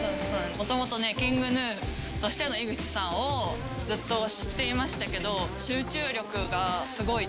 元々ＫｉｎｇＧｎｕとしての井口さんをずっと知っていましたけど。